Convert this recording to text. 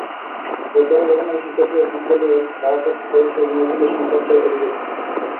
রোববারের ঘটনায় শিক্ষার্থীরা বিদ্যালয়ের ভারপ্রাপ্ত প্রধান শিক্ষক নজরুল ইসলামের কাছে অভিযোগ করে।